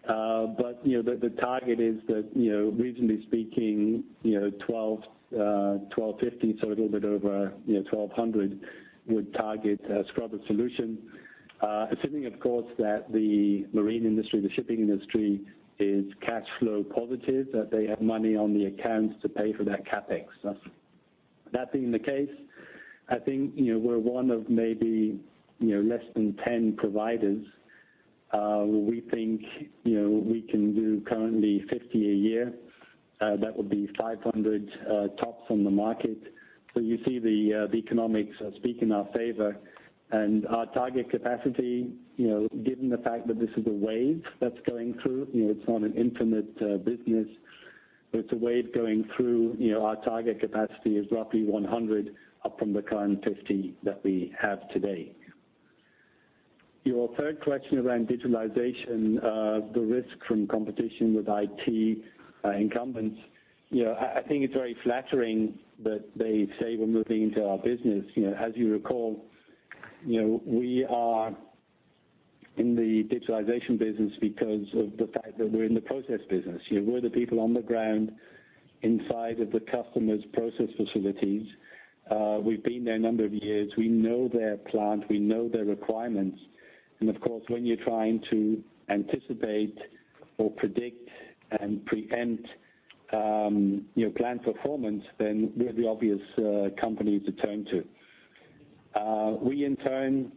The target is that reasonably speaking, 1,250, so a little bit over 1,200 would target a scrubber solution, assuming, of course, that the marine industry, the shipping industry, is cash flow positive, that they have money on the accounts to pay for that CapEx. That being the case, I think we're one of maybe less than 10 providers. We think we can do currently 50 a year. That would be 500 tops on the market. You see the economics speak in our favor and our target capacity, given the fact that this is a wave that's going through, it's not an infinite business, it's a wave going through. Our target capacity is roughly 100 up from the current 50 that we have today. Your third question around digitalization, the risk from competition with IT incumbents. I think it's very flattering that they say we're moving into our business. As you recall, we are in the digitalization business because of the fact that we're in the process business. We're the people on the ground inside of the customer's process facilities. We've been there a number of years. We know their plant, we know their requirements. Of course, when you're trying to anticipate or predict and preempt plant performance, we're the obvious company to turn to. We, in turn,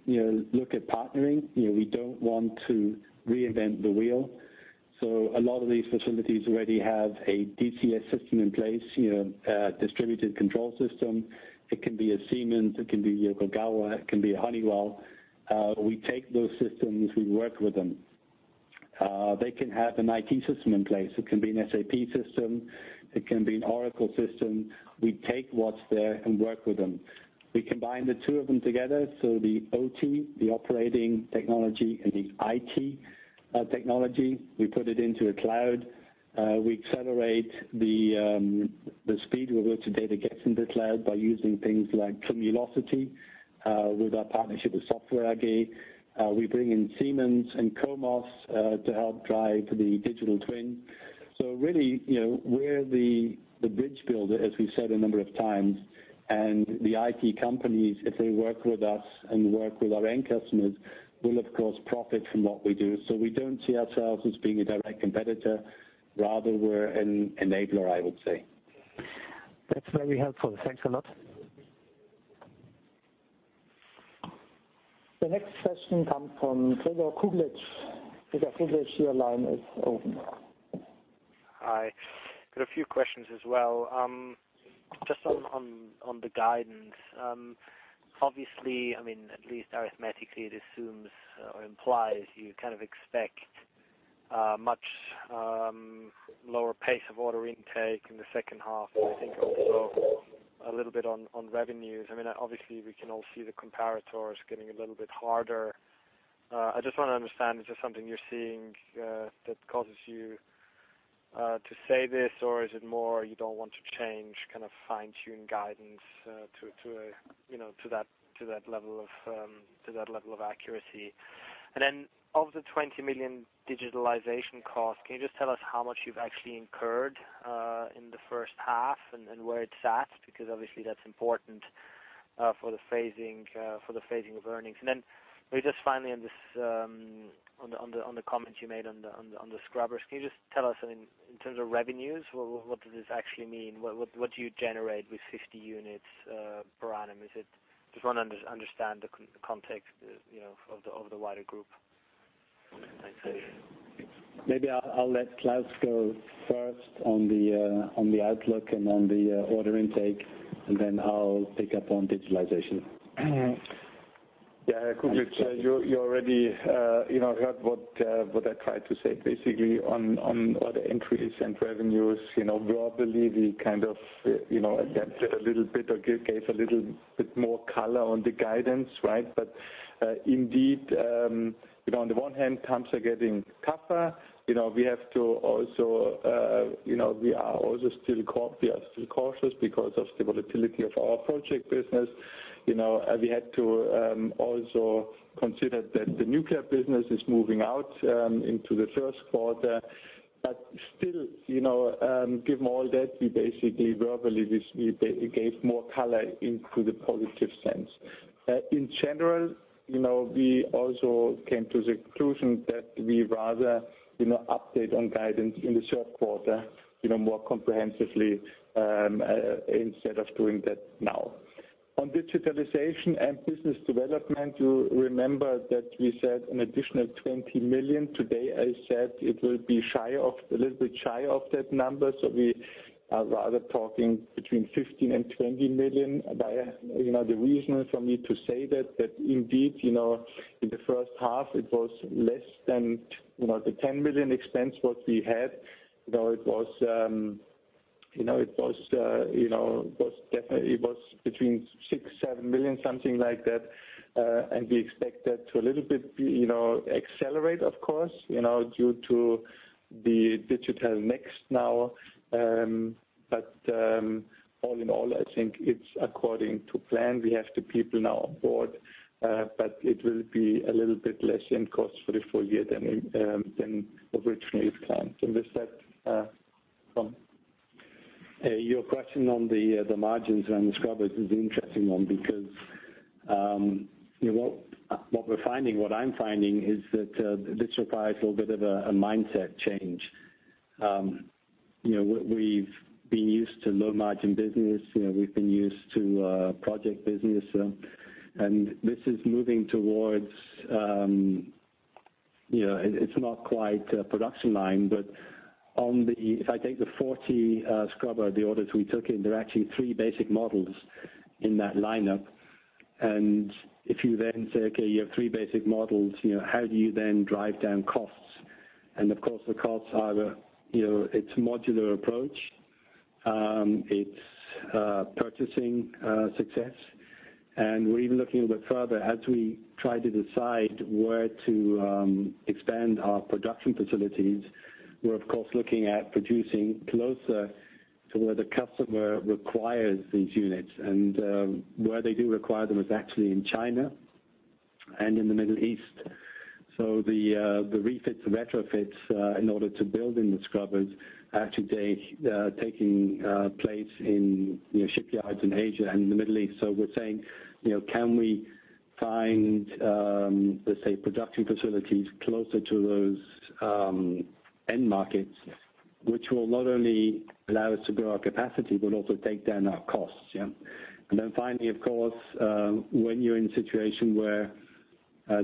look at partnering. We don't want to reinvent the wheel. A lot of these facilities already have a DCS system in place, a distributed control system. It can be a Siemens, it can be a Yokogawa, it can be a Honeywell. We take those systems, we work with them. They can have an IT system in place. It can be an SAP system, it can be an Oracle system. We take what's there and work with them. We combine the two of them together, the OT, the operating technology, and the IT. Our technology, we put it into a cloud. We accelerate the speed with which the data gets into the cloud by using things like Cumulocity with our partnership with Software AG. We bring in Siemens and Comos to help drive the digital twin. Really, we're the bridge builder, as we've said a number of times. The IT companies, if they work with us and work with our end customers, will of course profit from what we do. We don't see ourselves as being a direct competitor, rather we're an enabler, I would say. That's very helpful. Thanks a lot. The next question comes from Gregor Kuglitsch. Gregor Kuglitsch, your line is open. Hi. Got a few questions as well. Just on the guidance. Obviously, at least arithmetically, it assumes or implies you kind of expect a much lower pace of order intake in the second half, and I think also a little bit on revenues. Obviously, we can all see the comparators getting a little bit harder. I just want to understand, is this something you're seeing that causes you to say this, or is it more you don't want to change, kind of fine-tune guidance to that level of accuracy? Of the 20 million digitalization cost, can you just tell us how much you've actually incurred in the first half and where it's at? Because obviously that's important for the phasing of earnings. Maybe just finally on the comments you made on the scrubbers. Can you just tell us in terms of revenues, what does this actually mean? What do you generate with 50 units per annum? I just want to understand the context of the wider group. Thanks. Maybe I'll let Klaus go first on the outlook and on the order intake, and then I'll pick up on digitalization. Yeah, Kuglitsch, you already heard what I tried to say basically on order entries and revenues. Verbally, we kind of adapted a little bit or gave a little bit more color on the guidance, right? Indeed, on the one hand, times are getting tougher. We are still cautious because of the volatility of our project business. We had to also consider that the nuclear business is moving out into the first quarter. Still, given all that, we basically verbally gave more color into the positive sense. In general, we also came to the conclusion that we'd rather update on guidance in the third quarter more comprehensively instead of doing that now. On digitalization and business development, you remember that we said an additional 20 million. Today, I said it will be a little bit shy of that number. We are rather talking between 15 million and 20 million. The reason for me to say that indeed, in the first half it was less than the 10 million expense what we had. It was between 6 million, 7 million, something like that. We expect that to a little bit accelerate, of course, due to the digital mix now. All in all, I think it's according to plan. We have the people now on board. It will be a little bit less in cost for the full year than originally planned. With that, Tom. Your question on the margins and the scrubbers is an interesting one because what I'm finding is that this requires a little bit of a mindset change. We've been used to low margin business, we've been used to project business. This is moving towards, it's not quite a production line, but if I take the 40 scrubber, the orders we took in, there are actually three basic models in that lineup. If you then say, okay, you have three basic models, how do you then drive down costs? Of course, the costs are, it's modular approach. It's purchasing success. We're even looking a bit further as we try to decide where to expand our production facilities. We're of course looking at producing closer to where the customer requires these units. Where they do require them is actually in China and in the Middle East. The refits and retrofits in order to build in the scrubbers are today taking place in shipyards in Asia and in the Middle East. We're saying, can we find, let's say, production facilities closer to those end markets, which will not only allow us to grow our capacity, but also take down our costs. Finally, of course, when you're in a situation where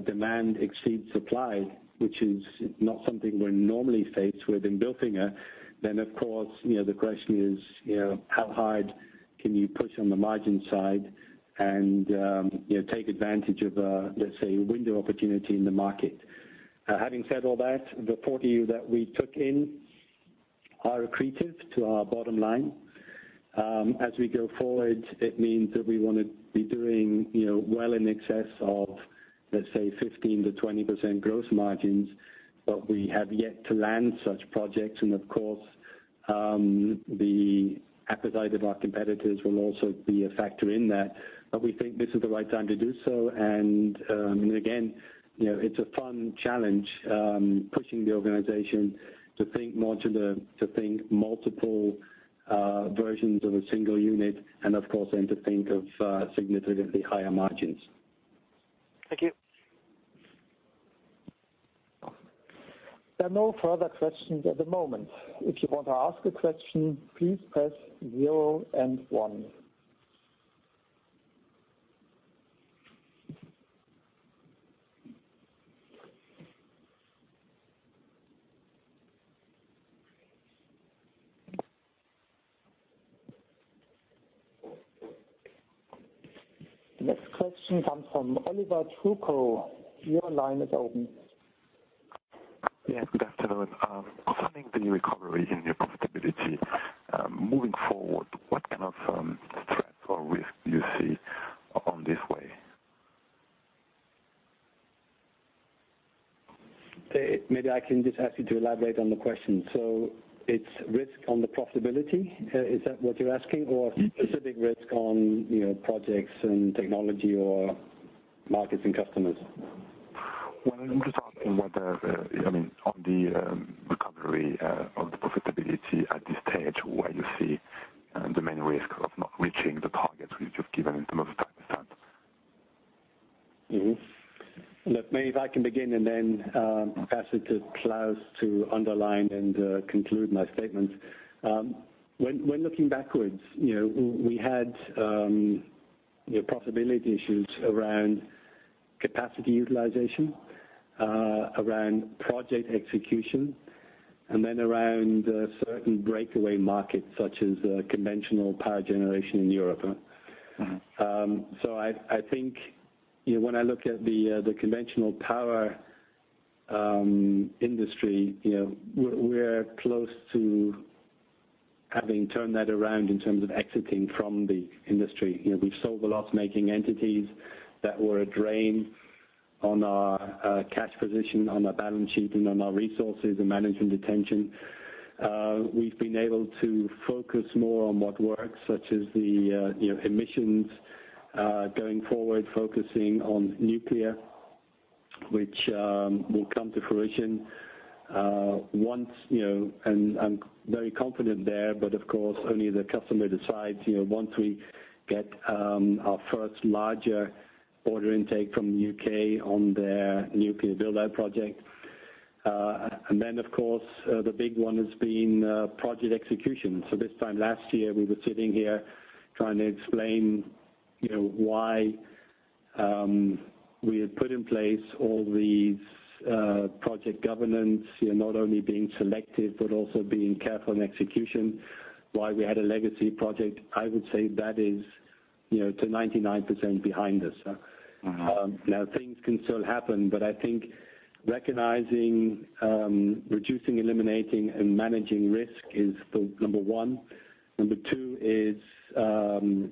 demand exceeds supply, which is not something we're normally faced with in Bilfinger, then of course, the question is how hard can you push on the margin side and take advantage of, let's say, a window opportunity in the market. Having said all that, the 40 that we took in are accretive to our bottom line. As we go forward, it means that we want to be doing well in excess of, let's say, 15%-20% growth margins, we have yet to land such projects. Of course, the appetite of our competitors will also be a factor in that. We think this is the right time to do so. Again, it's a fun challenge, pushing the organization to think multiple versions of a single unit and, of course, then to think of significantly higher margins. Thank you. There are no further questions at the moment. If you want to ask a question, please press zero and one. The next question comes from Olivier Calvet. Your line is open. Yes. Good afternoon. Concerning the recovery in your profitability, moving forward, what kind of threats or risks do you see on this way? Maybe I can just ask you to elaborate on the question. It's risk on the profitability? Is that what you're asking? Specific risk on projects and technology or markets and customers? Well, I'm just asking on the recovery of the profitability at this stage, where you see the main risk of not reaching the targets which you've given in terms of time spans. Mm-hmm. Look, maybe if I can begin and then pass it to Klaus to underline and conclude my statement. When looking backwards, we had profitability issues around capacity utilization, around project execution, and then around certain breakaway markets, such as conventional power generation in Europe. I think when I look at the conventional power industry, we're close to having turned that around in terms of exiting from the industry. We've sold the loss-making entities that were a drain on our cash position, on our balance sheet, and on our resources and management attention. We've been able to focus more on what works, such as the emissions, going forward, focusing on nuclear, which will come to fruition. I'm very confident there, but of course, only the customer decides, once we get our first larger order intake from the U.K. on their nuclear build-out project. Then, of course, the big one has been project execution. This time last year, we were sitting here trying to explain why we had put in place all these project governance, not only being selective but also being careful in execution, why we had a legacy project. I would say that is to 99% behind us. Things can still happen, but I think recognizing, reducing, eliminating, and managing risk is number one. Number two is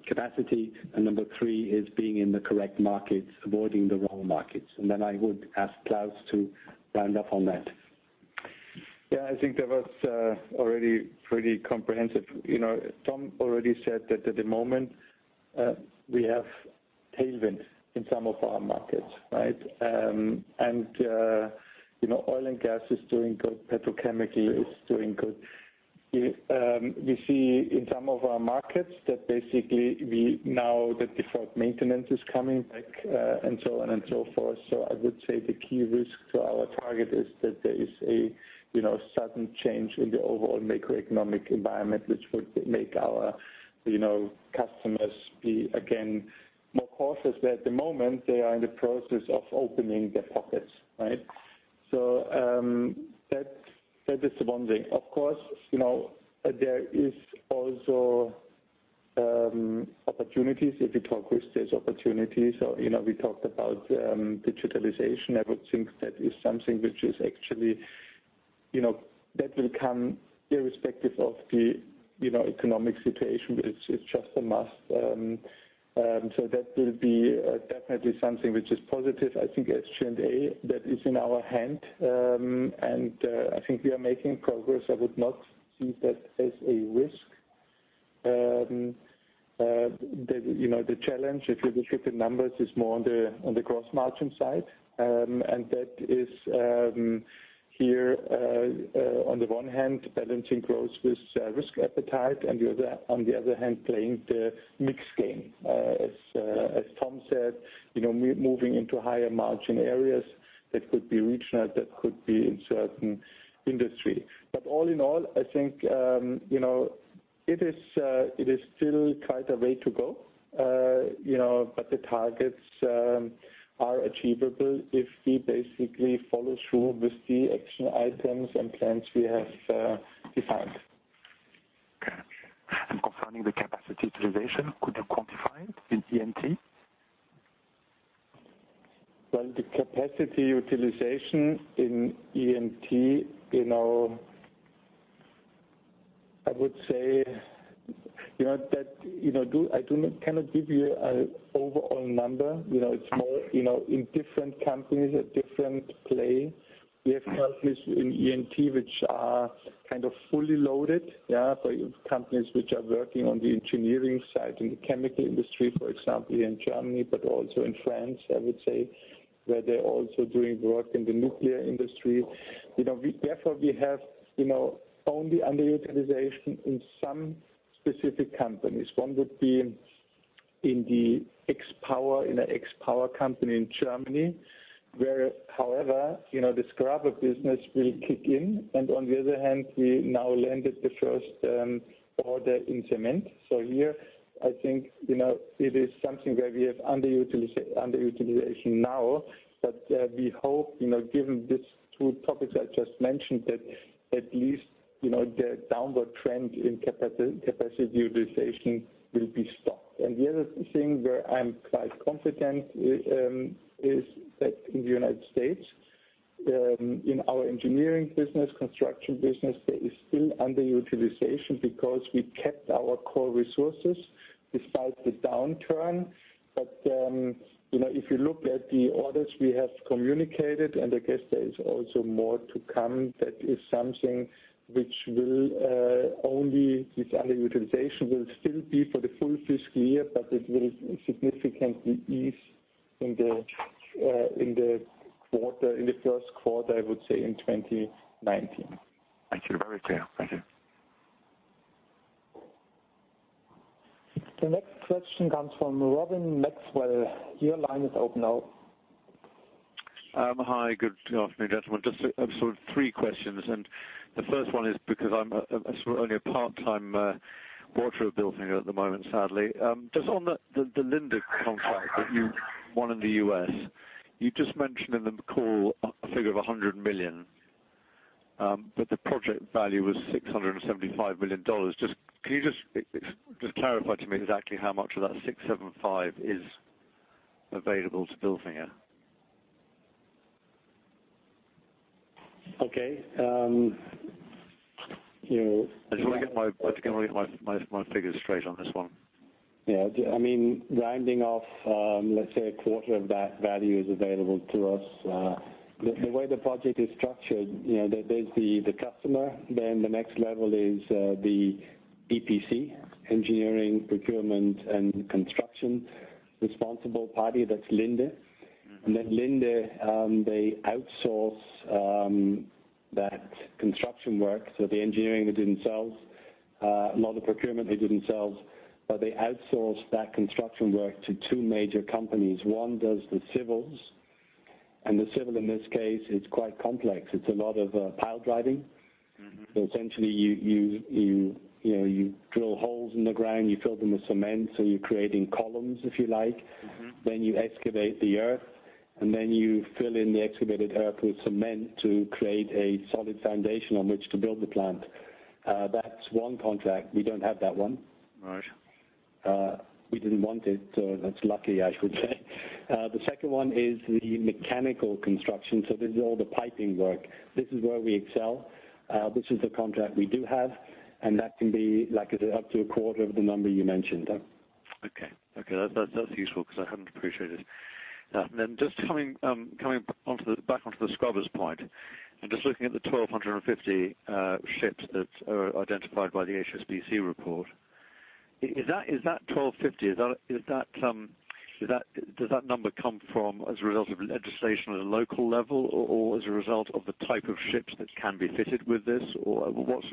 capacity, and number three is being in the correct markets, avoiding the wrong markets. Then I would ask Klaus to round up on that. I think that was already pretty comprehensive. Tom already said that at the moment, we have tailwinds in some of our markets, right? Oil and gas is doing good. Petrochemical is doing good. We see in some of our markets that basically now the deferred maintenance is coming back and so on and so forth. I would say the key risk to our target is that there is a sudden change in the overall macroeconomic environment, which would make our customers be, again, more cautious, where at the moment, they are in the process of opening their pockets, right? That is the one thing. Of course, there is also opportunities. If you talk risks, there's opportunities. We talked about digitalization. I would think that is something which is actually, that will come irrespective of the economic situation, but it's just a must. That will be definitely something which is positive. I think as G&A, that is in our hand. I think we are making progress. I would not see that as a risk. The challenge, if you look at the numbers, is more on the gross margin side. That is here, on the one hand, balancing growth with risk appetite and, on the other hand, playing the mix game. As Tom said, moving into higher margin areas. That could be regional, that could be in certain industry. All in all, I think, it is still quite a way to go, but the targets are achievable if we basically follow through with the action items and plans we have defined. Okay. Concerning the capacity utilization, could you quantify it in E&T? Well, the capacity utilization in E&T, I cannot give you an overall number. It is small. In different companies, a different play. We have companies in E&T which are kind of fully loaded. For companies which are working on the engineering side, in the chemical industry, for example, in Germany, but also in France, I would say, where they are also doing work in the nuclear industry. Therefore, we have only underutilization in some specific companies. One would be in an ex-power company in Germany, where, however, the scrubber business will kick in, and on the other hand, we now landed the first order in cement. Here, I think, it is something where we have underutilization now, but we hope, given these two topics I just mentioned, that at least the downward trend in capacity utilization will be stopped. The other thing where I am quite confident is that in the United States, in our engineering business, construction business, there is still underutilization because we kept our core resources despite the downturn. If you look at the orders we have communicated, and I guess there is also more to come, that is something which will only, this underutilization will still be for the full fiscal year, but it will significantly ease in the first quarter, I would say, in 2019. Thank you. Very clear. Thank you. The next question comes from Robin Maxwell. Your line is open now. Hi. Good afternoon, gentlemen. Just three questions, and the first one is because I am only a part-time boarder of Bilfinger at the moment, sadly. Just on the Linde contract that you won in the U.S., you just mentioned in the call a figure of 100 million. The project value was $675 million. Can you just clarify to me exactly how much of that $675 is available to Bilfinger? Okay. I just want to get my figures straight on this one. Yeah. Rounding off, let's say a quarter of that value is available to us. The way the project is structured, there's the customer, then the next level is the EPC, engineering, procurement, and construction responsible party, that's Linde. Linde, they outsource that construction work. The engineering they did themselves. A lot of procurement they did themselves, but they outsourced that construction work to two major companies. One does the civils, and the civil in this case is quite complex. It's a lot of pile driving. Essentially, you drill holes in the ground, you fill them with cement, so you're creating columns, if you like. You excavate the earth, you fill in the excavated earth with cement to create a solid foundation on which to build the plant. That's one contract. We don't have that one. Right. We didn't want it, that's lucky, I should say. The second one is the mechanical construction. This is all the piping work. This is where we excel. This is the contract we do have, and that can be, like I said, up to a quarter of the number you mentioned. Okay. That's useful because I hadn't appreciated. Then just coming back onto the scrubbers point and just looking at the 1,250 ships that are identified by the HSBC report. Is that 1,250, does that number come from as a result of legislation at a local level or as a result of the type of ships that can be fitted with this? What's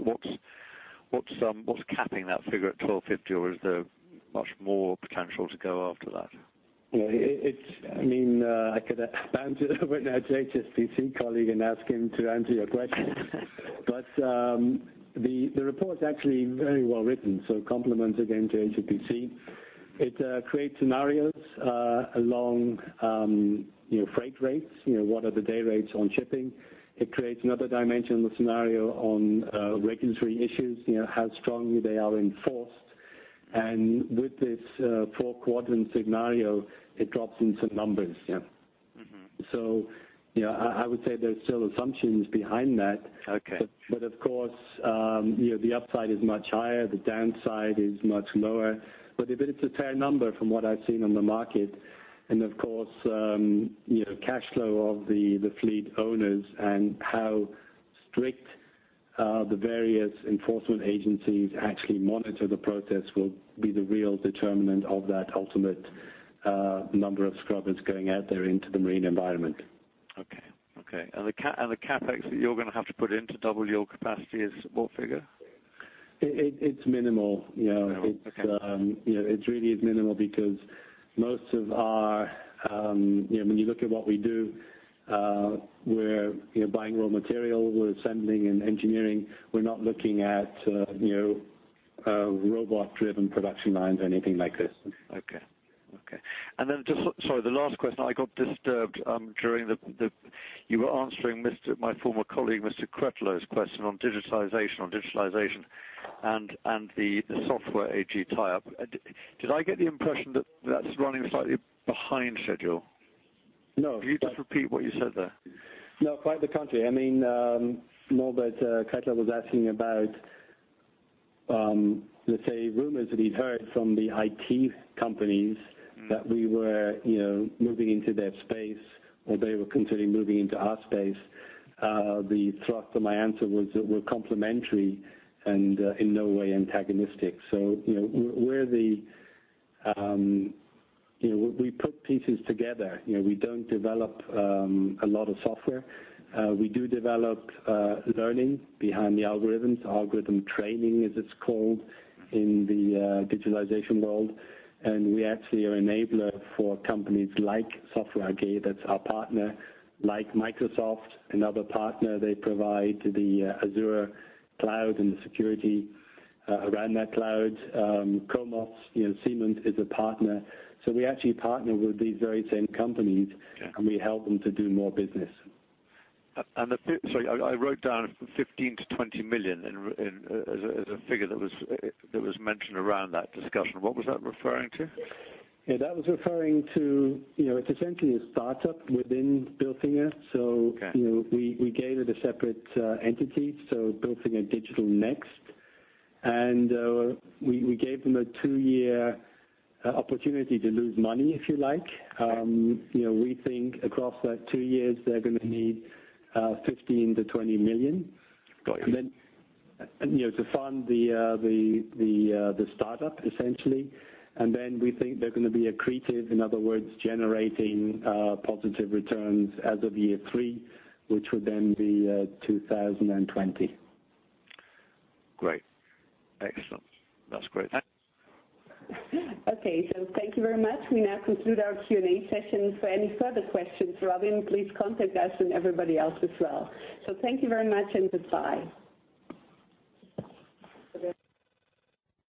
capping that figure at 1,250 or is there much more potential to go after that? I could bounce it over now to HSBC colleague and ask him to answer your question. The report's actually very well-written, so compliments again to HSBC. It creates scenarios along freight rates, what are the day rates on shipping. It creates another dimension of scenario on regulatory issues, how strongly they are enforced. With this four-quadrant scenario, it drops into numbers. Yeah. I would say there's still assumptions behind that. Okay. Of course, the upside is much higher, the downside is much lower. It's a fair number from what I've seen on the market, and of course, cash flow of the fleet owners and how strict the various enforcement agencies actually monitor the process will be the real determinant of that ultimate number of scrubbers going out there into the marine environment. Okay. The CapEx that you're going to have to put in to double your capacity is what figure? It's minimal. Okay. It really is minimal because when you look at what we do, we're buying raw material, we're assembling and engineering. We're not looking at robot-driven production lines or anything like this. Okay. Just, sorry, the last question, I got disturbed during. You were answering my former colleague, Mr. Kretlow's question on digitalization. The Software AG tie-up. Did I get the impression that's running slightly behind schedule? No. Could you just repeat what you said there? No, quite the contrary. Norbert Kretlow was asking about, let's say, rumors that he'd heard from the IT companies that we were moving into their space, or they were considering moving into our space. The thrust of my answer was that we're complementary and in no way antagonistic. We put pieces together. We don't develop a lot of software. We do develop learning behind the algorithms, algorithm training, as it's called in the digitalization world. We actually are an enabler for companies like Software AG, that's our partner, like Microsoft, another partner. They provide the Microsoft Azure and the security around that cloud. COMOS, Siemens is a partner. We actually partner with these very same companies. Okay. We help them to do more business. Sorry, I wrote down 15 million-20 million as a figure that was mentioned around that discussion. What was that referring to? That was referring to, it's essentially a startup within Bilfinger. Okay. We gave it a separate entity, so Bilfinger Digital Next. We gave them a two-year opportunity to lose money, if you like. We think across that two years, they're going to need 15 million-20 million. Got you. To fund the startup, essentially. We think they're going to be accretive, in other words, generating positive returns as of year three, which would then be 2020. Great. Excellent. That's great. Thanks. Thank you very much. We now conclude our Q&A session. For any further questions, Robin, please contact us, and everybody else as well. Thank you very much and goodbye.